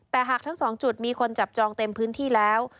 แต่หากทั้ง๒จุดมีคนจับจองเต็มพื้นที่แล้ว